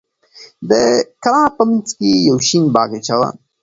د کلا په منځ کې یو شین باغچه وه.